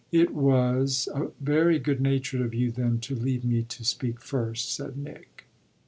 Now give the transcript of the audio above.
"It was very good natured of you then to leave me to speak first," said Nick.